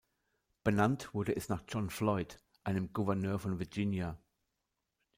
Benannt wurde es nach John Floyd, einem Gouverneur von Virginia.